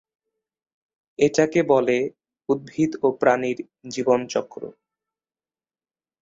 এটাকে বলে উদ্ভিদ ও প্রাণীর জীবনচক্র।